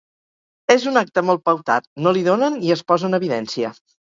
És un acte molt pautat, no li donen i es posa en evidència.